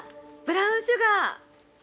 ブラウン・シュガー。